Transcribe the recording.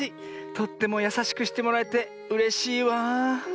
とってもやさしくしてもらえてうれしいわあ。